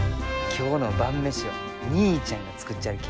今日の晩飯は義兄ちゃんが作っちゃるき。